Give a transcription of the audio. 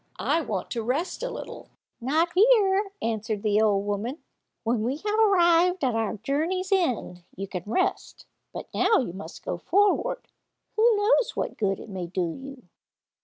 I want to rest a little." "Not here," answered the old woman, "when we have arrived at our journey's end, you can rest; but now you must go forward. Who knows what good it may do you?"